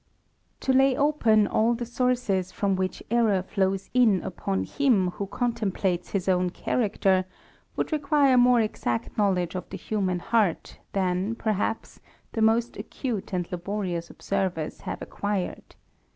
/^ To lay open all tbg, sources ^^opi wl^irh ^>i'mrrr"1!7Tw<w ^jn upon him who contemplates his own character, would require more exact knowledge of the human heart, than, perhaps, the most acute and laborious observers have acquired.